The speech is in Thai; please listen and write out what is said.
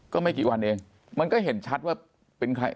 ไม่กี่วันเองมันก็เห็นชัดว่าเป็นใคร